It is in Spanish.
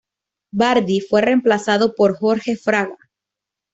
Bardi fue reemplazado por Jorge Fraga.